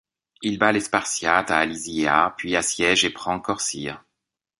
Il bat les Spartiates à Alyzéia, puis assiège et prend Corcyre.